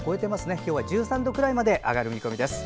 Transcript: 今日は１３度くらいまで上がる見込みです。